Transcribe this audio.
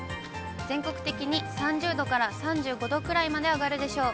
全国的に３０度から３５度くらいまで上がるでしょう。